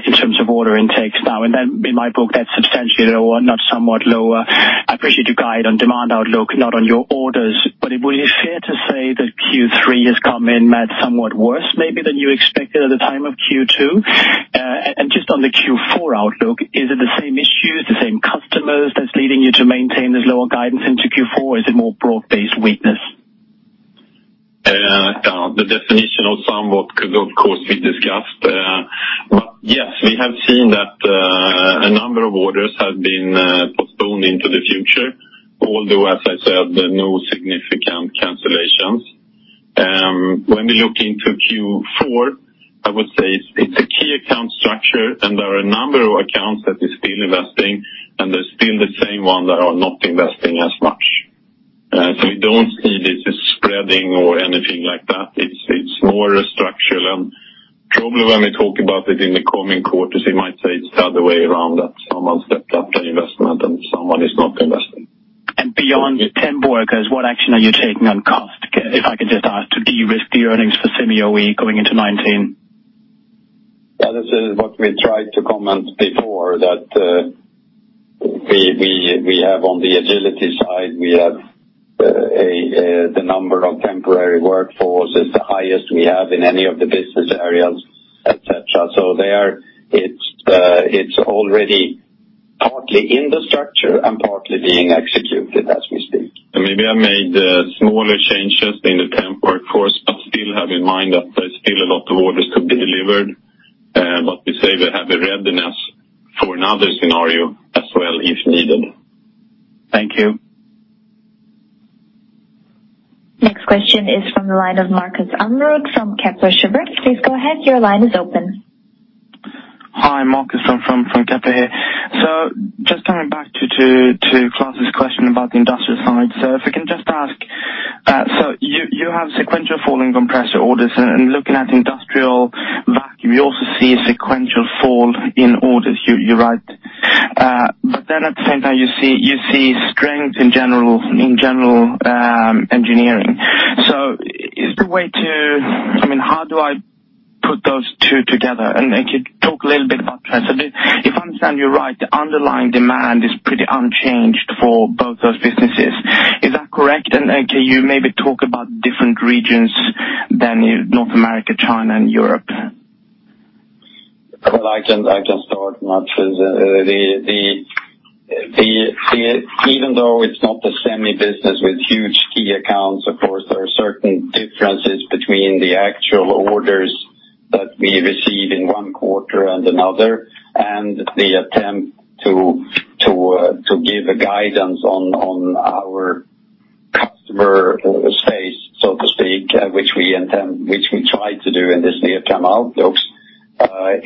Speaker 6: in terms of order intakes now. In my book, that's substantially lower, not somewhat lower. I appreciate you guide on demand outlook, not on your orders, but would it be fair to say that Q3 has come in, Mats, somewhat worse maybe than you expected at the time of Q2? Just on the Q4 outlook, is it the same issue, the same customers that's leading you to maintain this lower guidance into Q4? Is it more broad-based weakness?
Speaker 3: The definition of somewhat could of course be discussed. Yes, we have seen that a number of orders have been postponed into the future, although, as I said, no significant cancellations. When we look into Q4, I would say it's a key account structure. There are a number of accounts that are still investing, and there's still the same one that are not investing as much. We don't see this as spreading or anything like that. It's more structural, and probably when we talk about it in the coming quarters, we might say it's the other way around, that someone stepped up the investment and someone is not investing.
Speaker 6: Beyond temp workers, what action are you taking on cost? If I could just ask to de-risk the earnings for semi OE going into 2019.
Speaker 2: This is what we tried to comment before, that we have on the agility side, we have the number of temporary workforce is the highest we have in any of the business areas, et cetera. There it's already partly in the structure and partly being executed as we speak.
Speaker 3: Maybe I made smaller changes in the temp workforce, still have in mind that there's still a lot of orders to be delivered. We say we have a readiness for another scenario as well, if needed.
Speaker 6: Thank you.
Speaker 1: Next question is from the line of Markus Almerud from Kepler Cheuvreux. Please go ahead, your line is open.
Speaker 7: Hi, Markus from Kepler here. Just coming back to Klas's question about the industrial side. If we can just ask, you have sequential falling compressor orders, looking at industrial vacuum, you also see a sequential fall in orders, you're right. At the same time, you see strength in general engineering. How do I put those two together? If you talk a little bit about trends. If I understand you right, the underlying demand is pretty unchanged for both those businesses. Is that correct? Can you maybe talk about different regions than North America, China, and Europe?
Speaker 2: I can start, Mats. Even though it's not the semi business with huge key accounts, of course, there are certain differences between the actual orders that we receive in one quarter and another, and the attempt to give a guidance on our customer space, so to speak, which we try to do in this near-term outlook. The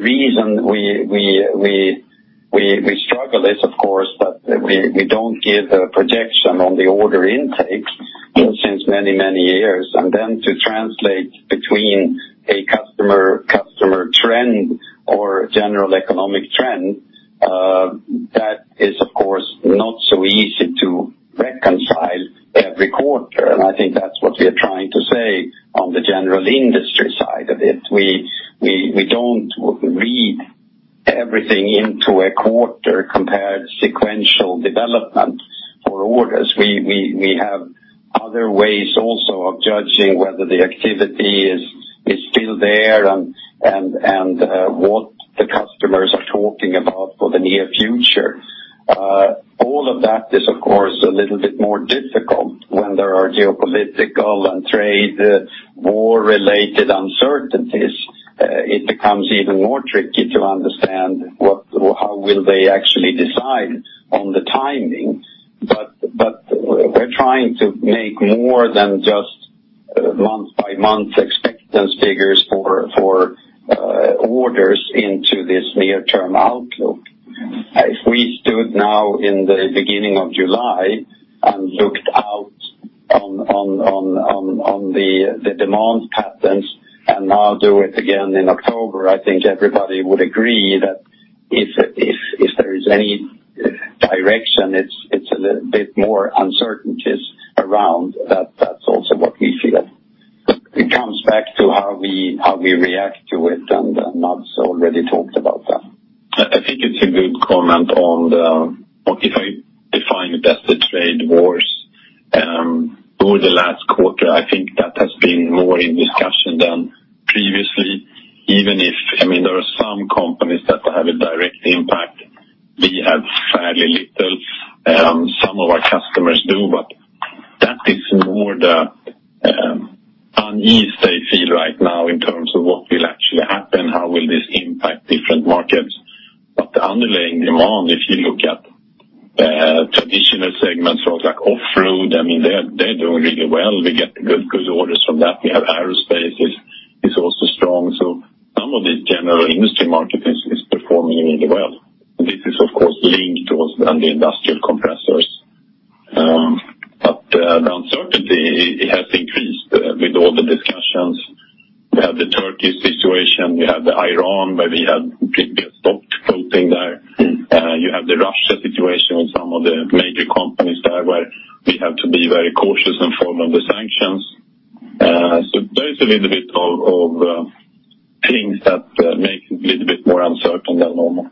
Speaker 2: reason we struggle is, of course, that we don't give a projection on the order intakes since many years. To translate between a customer trend or general economic trend, that is, of course, not so easy to reconcile every quarter. I think that's what we are trying to say on the general industry side of it. We don't read everything into a quarter compared sequential development for orders. We have other ways also of judging whether the activity is still there and what the customers are talking about for the near future. All of that is, of course, a little bit more difficult when there are geopolitical and trade war-related uncertainties. It becomes even more tricky to understand how will they actually decide on the timing. We're trying to make more than just month-by-month expectance figures for orders into this near-term outlook. If we stood now in the beginning of July and looked out on the demand patterns and now do it again in October, I think everybody would agree that if there is any direction, it's a little bit more uncertainties around, that's also what we feel. It comes back to how we react to it, and Mats already talked about that.
Speaker 3: I think it's a good comment on the, what if I define it as the trade wars. Over the last quarter, I think that has been more in discussion than previously. There are some companies that have a direct impact. We have fairly little. Some of our customers do, but that is more the unease they feel right now in terms of what will actually happen, how will this impact different markets. The underlying demand, if you look at traditional segments like off-road, they're doing really well. We get good orders from that. We have aerospace is also strong, so some of the general industry market is performing really well. This is, of course, linked on the industrial compressors. The uncertainty, it has increased with all the discussions. We have the Turkey situation. We have the Iran, where we have completely stopped quoting there. You have the Russia situation with some of the major companies there, where we have to be very cautious in form of the sanctions. There is a little bit of things that make it a little bit more uncertain than normal.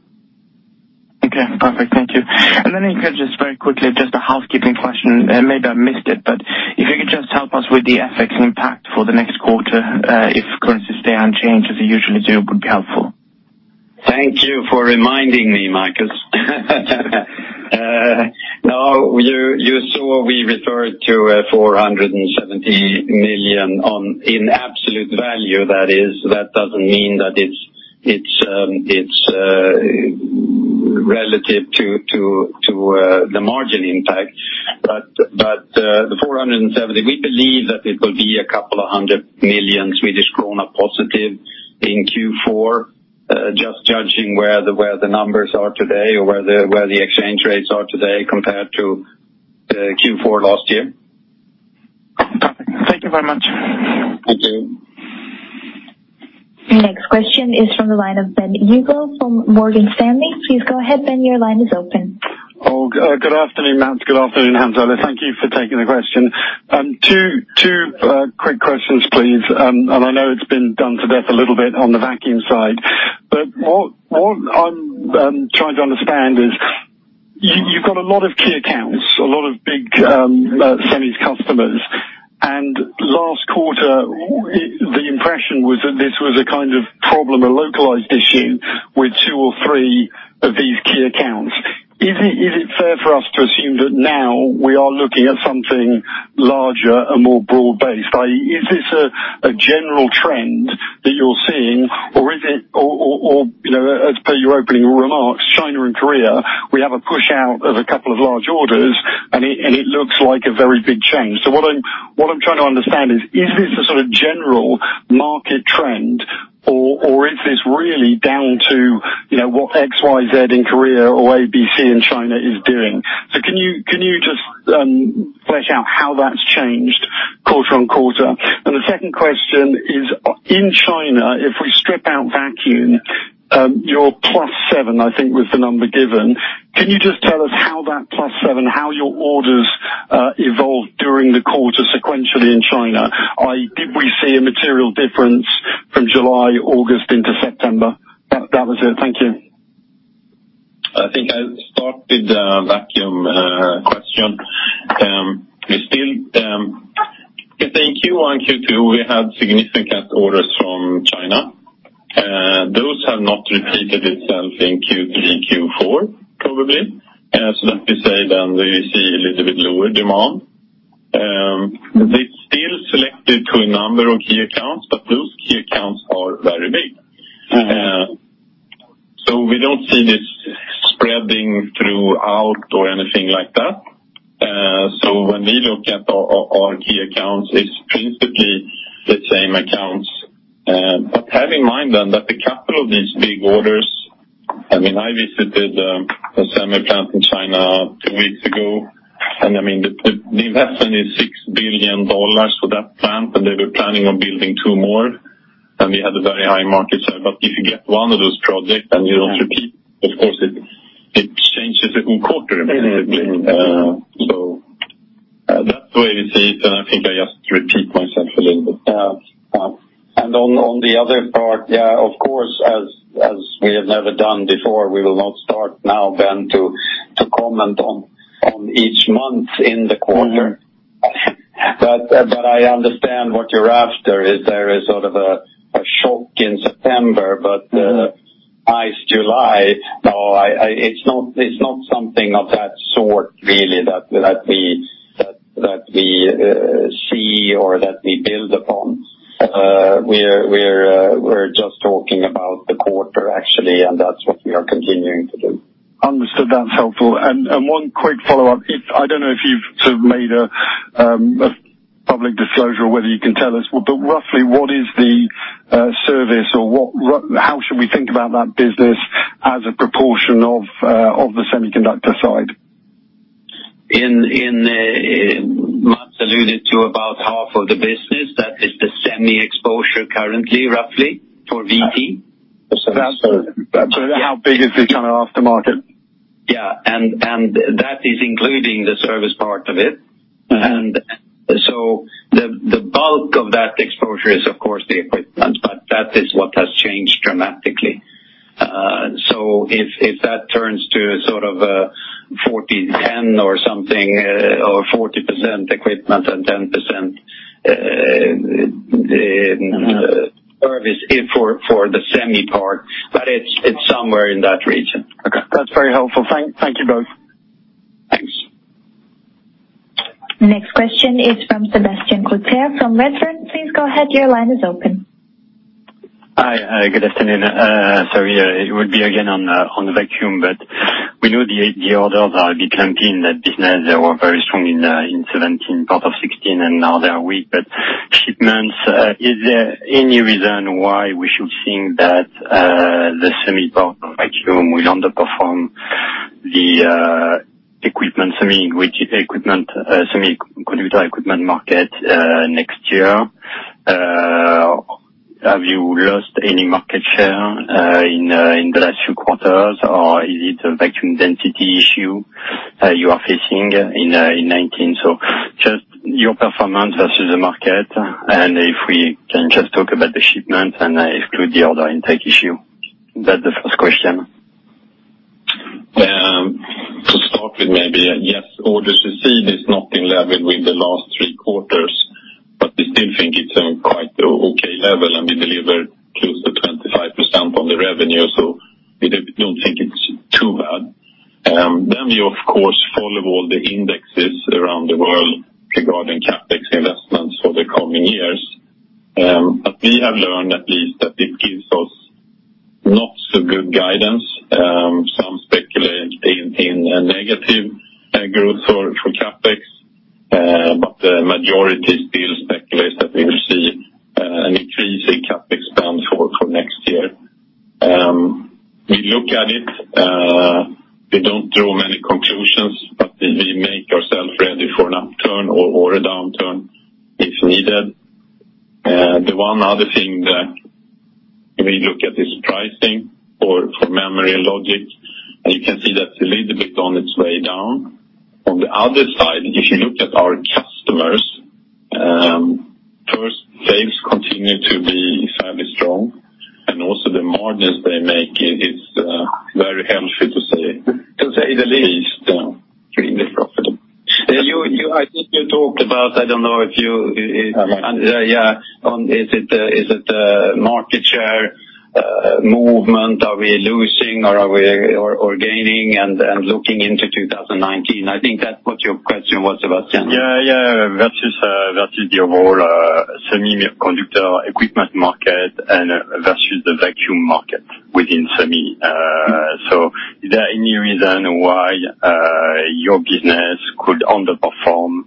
Speaker 7: Okay, perfect. Thank you. If you could just very quickly, just a housekeeping question, maybe I missed it, but if you could just help us with the FX impact for the next quarter, if currencies stay unchanged as they usually do, it would be helpful.
Speaker 2: Thank you for reminding me, Marcus. You saw we referred to 470 million in absolute value, that is. That doesn't mean that it's relative to the margin impact. The 470, we believe that it will be a couple of hundred million SEK positive in Q4, just judging where the numbers are today or where the exchange rates are today compared to Q4 last year.
Speaker 7: Perfect. Thank you very much.
Speaker 2: Thank you.
Speaker 1: The next question is from the line of Ben Uglow from Morgan Stanley. Please go ahead, Ben. Your line is open.
Speaker 8: Good afternoon, Mats. Good afternoon, Hans Ola. Thank you for taking the question. Two quick questions, please. I know it's been done to death a little bit on the vacuum side, but what I'm trying to understand is you've got a lot of key accounts, a lot of big semi customers. Last quarter, the impression was that this was a kind of problem, a localized issue with two or three of these key accounts. Is it fair for us to assume that now we are looking at something larger and more broad-based? Is this a general trend that you're seeing, or as per your opening remarks, China and Korea, we have a push out of a couple of large orders, and it looks like a very big change. What I'm trying to understand is this a sort of general market trend or is this really down to what XYZ in Korea or ABC in China is doing? Can you just flesh out how that's changed quarter-on-quarter? The second question is, in China, if we strip out vacuum, your +7, I think was the number given. Can you just tell us how that +7, how your orders evolved during the quarter sequentially in China, i.e., did we see a material difference from July, August into September? That was it. Thank you.
Speaker 3: I think I'll start with the vacuum question. I think Q1 and Q2, we had significant orders from China. Those have not repeated itself in Q3, Q4, probably. That we say then we see a little bit lower demand. They still selected to a number of key accounts, but those key accounts are very big. We don't see this spreading throughout or anything like that. When we look at our key accounts, it's principally the same accounts. Have in mind then that the capital of these big orders, I visited a semi plant in China two weeks ago, and the investment is SEK 6 billion for that plant, and they were planning on building two more, and we had a very high market share. If you get one of those projects and you don't repeat, of course, it changes it in quarter effectively. That's the way we see it, and I think I just repeat myself a little bit.
Speaker 8: Yeah.
Speaker 2: On the other part, of course, as we have never done before, we will not start now then to comment on each month in the quarter.
Speaker 3: I understand what you're after, is there a sort of a shock in September? Nice July. No, it's not something of that sort really that we see or that we build upon.
Speaker 8: Okay.
Speaker 3: We're just talking about the quarter actually, that's what we are continuing to do.
Speaker 8: Understood. That's helpful. One quick follow-up. I don't know if you've sort of made a public disclosure or whether you can tell us, roughly what is the service or how should we think about that business as a proportion of the semiconductor side?
Speaker 2: Mats alluded to about half of the business, that is the semi exposure currently, roughly, for VT.
Speaker 8: How big is this kind of aftermarket?
Speaker 2: Yeah. That is including the service part of it. The bulk of that exposure is of course the equipment, but that is what has changed dramatically. If that turns to sort of a 40/10 or something, or 40% equipment and 10% service for the semi part, but it's somewhere in that region.
Speaker 8: Okay. That is very helpful. Thank you both.
Speaker 2: Thanks.
Speaker 1: Next question is from Sebastian Kuenne from Redburn. Please go ahead. Your line is open.
Speaker 9: Hi. Good afternoon. Sorry, it would be again on Vacuum, but we know the orders are a bit clumpy in that business. They were very strong in 2017, part of 2016, and now they are weak. Shipments, is there any reason why we should think that the semi part of Vacuum will underperform the semiconductor equipment market next year? Have you lost any market share in the last few quarters, or is it a Vacuum density issue you are facing in 2019? Just your performance versus the market, and if we can just talk about the shipment and exclude the order intake issue. That's the first question.
Speaker 3: To start with maybe, yes, orders received is not in level with the last three quarters, but we still think it's in quite okay level, and we delivered close to 25% on the revenue, so we don't think it's too bad. We, of course, follow all the indexes around the world regarding CapEx investments for the coming years. We have learned at least that it gives us not so good guidance. Some speculate in a negative growth for CapEx, but the majority still speculates that we will see an increase in CapEx spend for next year. We look at it, we don't draw many conclusions, but we make ourself ready for an upturn or a downturn if needed. The one other thing that we look at is pricing for memory and logic. You can see that's a little bit on its way down.
Speaker 2: On the other side, if you look at our customers, first, sales continue to be fairly strong, and also the margins they make is very healthy to say the least.
Speaker 9: Really profitable.
Speaker 3: I think you talked about, I don't know if.
Speaker 9: I might.
Speaker 3: Yeah. On is it the market share movement, are we losing or are we gaining? Looking into 2019, I think that's what your question was about, Jean.
Speaker 9: Yeah. Versus the overall semiconductor equipment market and versus the vacuum market within semi. Is there any reason why your business could underperform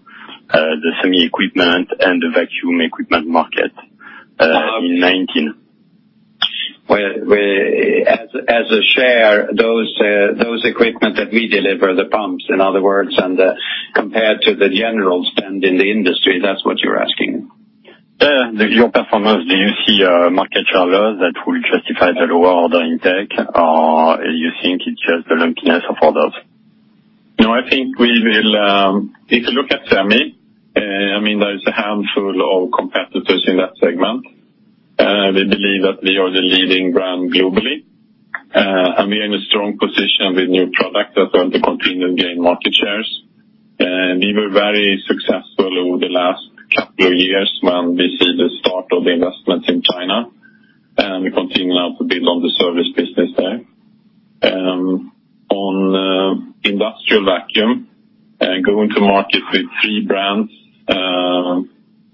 Speaker 9: the semi equipment and the vacuum equipment market in 2019?
Speaker 3: As a share, those equipment that we deliver, the pumps, in other words, and compared to the general spend in the industry, that's what you're asking?
Speaker 9: Yeah. Your performance, do you see market share loss that will justify the lower order intake, or you think it's just the lumpiness of orders?
Speaker 3: I think if you look at semi, there is a handful of competitors in that segment. We believe that we are the leading brand globally. We are in a strong position with new products as well to continue to gain market shares. We were very successful over the last couple of years when we see the start of the investments in China, and we continue now to build on the service business there. On industrial vacuum, going to market with three brands,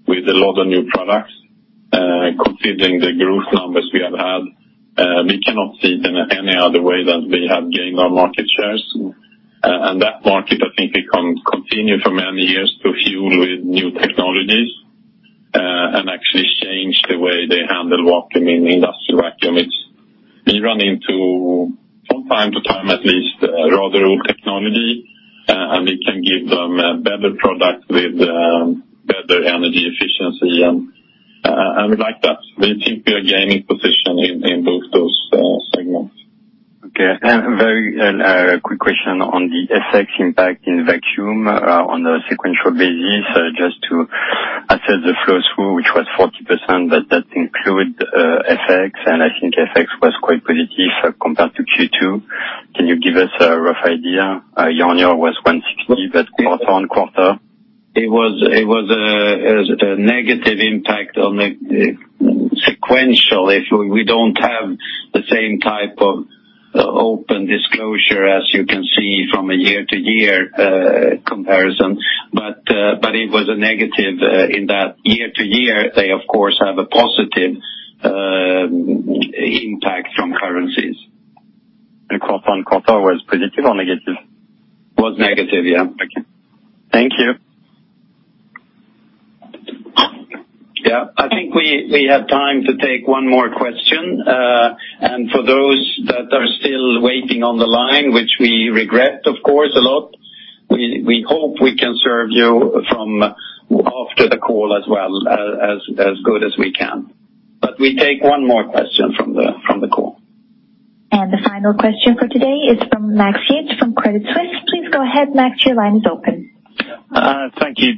Speaker 3: with a lot of new products, considering the growth numbers we have had, we cannot see it in any other way than we have gained our market shares. That market, I think, we can continue for many years to fuel with new technologies, and actually change the way they handle vacuum in industrial vacuum. We run into, from time to time at least, rather old technology. We can give them a better product with better energy efficiency and like that. We think we are gaining position in both those segments.
Speaker 9: Okay. Very quick question on the FX impact in vacuum on a sequential basis, just to assess the flow-through, which was 40%, but that include FX, and I think FX was quite positive compared to Q2. Can you give us a rough idea? Year-on-year was 160, but quarter-on-quarter.
Speaker 2: It was a negative impact on the sequential. We don't have the same type of open disclosure as you can see from a year-to-year comparison. It was a negative in that year-to-year, they, of course, have a positive impact from currencies.
Speaker 9: Quarter-on-quarter was positive or negative?
Speaker 2: Was negative, yeah.
Speaker 9: Thank you.
Speaker 2: Thank you. Yeah, I think we have time to take one more question. For those that are still waiting on the line, which we regret, of course, a lot, we hope we can serve you from after the call as well, as good as we can. We take one more question from the call.
Speaker 1: The final question for today is from Max Yates from Credit Suisse. Please go ahead, Max. Your line is open.
Speaker 10: Thank you.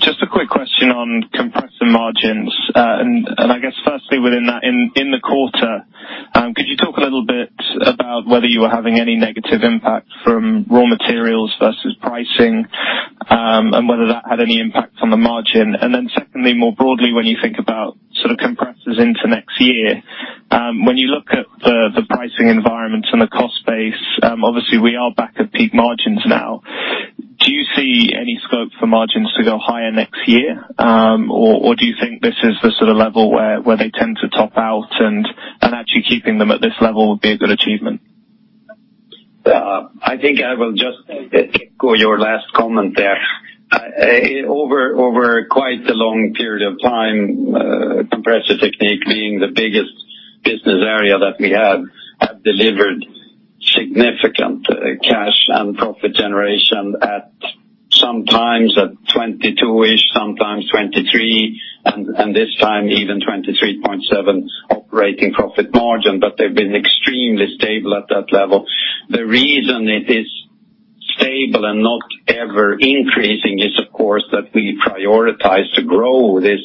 Speaker 10: Just a quick question on compressor margins. I guess firstly within that, in the quarter, could you talk a little bit about whether you were having any negative impact from raw materials versus pricing, and whether that had any impact on the margin? Then secondly, more broadly, when you think about compressors into next year, when you look at the pricing environment and the cost base, obviously we are back at peak margins now. Do you see any scope for margins to go higher next year? Do you think this is the sort of level where they tend to top out and actually keeping them at this level would be a good achievement?
Speaker 3: I think I will just echo your last comment there. Over quite a long period of time, Compressor Technique being the biggest business area that we have delivered significant cash and profit generation at sometimes at 22-ish, sometimes 23, and this time even 23.7% operating profit margin, but they've been extremely stable at that level. The reason it is stable and not ever increasing is, of course, that we prioritize to grow this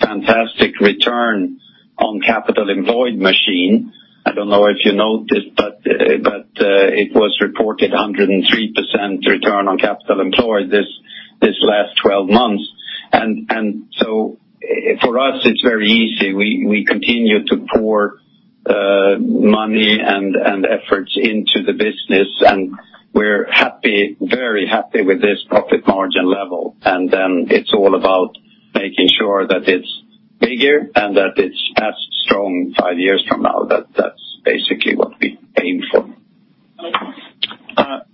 Speaker 3: fantastic return on capital employed machine. I don't know if you know this, it was reported 103% return on capital employed this last 12 months. For us, it's very easy. We continue to pour money and efforts into the business, and we're very happy with this profit margin level. It's all about making sure that it's bigger and that it's as strong five years from now.
Speaker 2: That's basically what we aim for.
Speaker 10: Okay,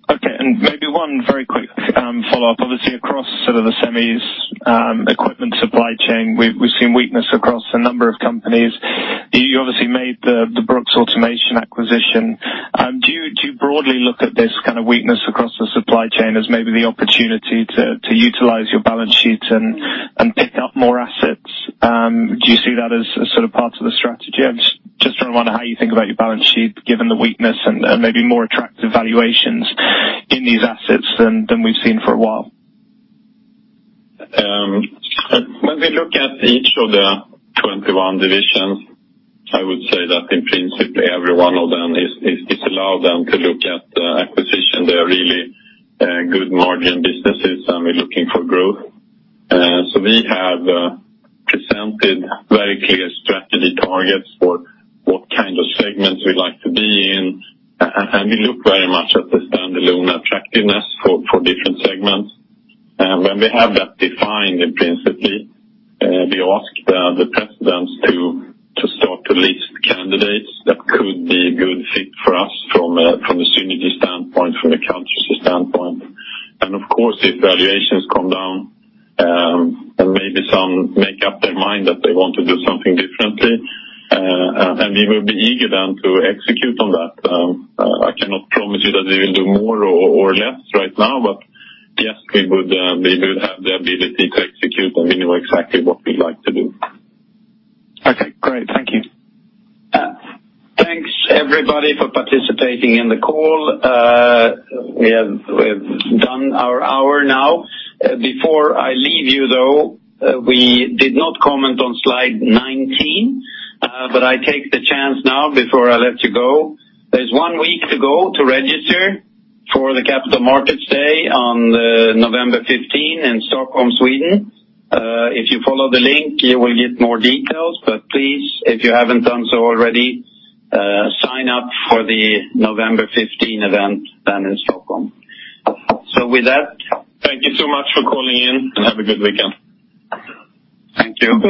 Speaker 10: maybe one very quick follow-up. Obviously, across the semis equipment supply chain, we've seen weakness across a number of companies. You obviously made the Brooks Automation acquisition. Do you broadly look at this kind of weakness across the supply chain as maybe the opportunity to utilize your balance sheet and pick up more assets? Do you see that as part of the strategy? I'm just trying to wonder how you think about your balance sheet, given the weakness and maybe more attractive valuations in these assets than we've seen for a while.
Speaker 3: When we look at each of the 21 divisions, I would say that in principle, every one of them is allowed to look at acquisition. They are really good margin businesses, and we're looking for growth. We have presented very clear strategy targets for what kind of segments we like to be in, and we look very much at the standalone attractiveness for different segments. When we have that defined, principally, we ask the presidents to start to list candidates that could be a good fit for us from a synergy standpoint, from a culture standpoint. Of course, if valuations come down, maybe some make up their mind that they want to do something differently, we will be eager then to execute on that.
Speaker 2: I cannot promise you that we will do more or less right now, but yes, we will have the ability to execute, and we know exactly what we like to do.
Speaker 10: Okay, great. Thank you.
Speaker 2: Thanks everybody for participating in the call. We have done our hour now. Before I leave you, though, we did not comment on slide 19, but I take the chance now before I let you go. There is one week to go to register for the Capital Markets Day on November 15 in Stockholm, Sweden. If you follow the link, you will get more details, but please, if you haven't done so already, sign up for the November 15 event then in Stockholm. With that, thank you so much for calling in, and have a good weekend. Thank you.